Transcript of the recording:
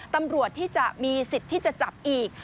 ตำรวจที่จะมีสิทธิ์ที่จะจับอีก